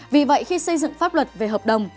vì vậy khi xây dựng pháp luật về hợp đồng